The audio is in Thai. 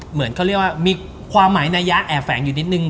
เหมือนเขาเรียกว่ามีความหมายนายะแอบแฝงอยู่นิดนึง